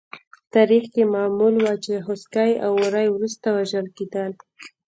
تاریخ کې معمول وه چې خوسکي او وری وروسته وژل کېدل.